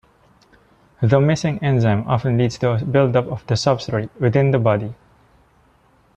The missing enzyme often leads to a build-up of the substrate within the body.